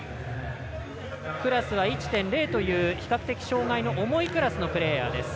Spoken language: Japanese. クラスは１．０という比較的障がいの重いクラスのプレーヤーです。